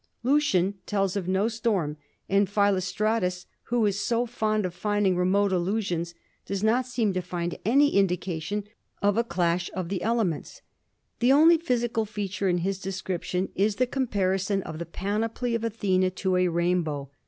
Lucian tells of no storm, and Philostratus, who is so fond of finding remote allusions does not seem to find any indication of a clash of the elements. The only physical feature in his description is the comparison of the panoply of Athena to a rainbow.